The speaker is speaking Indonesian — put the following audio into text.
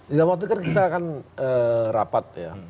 di dalam waktu itu kita akan rapat ya